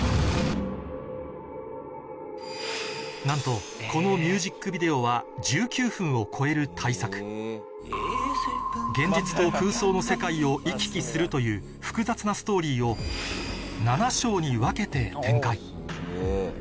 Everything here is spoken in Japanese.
なんとこのミュージックビデオは１９分を超える大作するという複雑なストーリーを７章に分けて展開